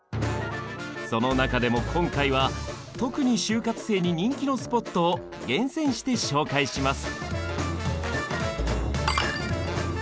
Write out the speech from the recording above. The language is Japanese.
その中でも今回は特に就活生に人気のスポットを厳選して紹介します。